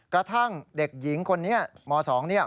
กระทั่งเด็กหญิงคนนี้ม๒เนี่ย